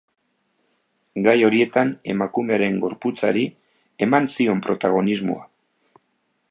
Gai horietan emakumearen gorputzari eman zion protagonismoa.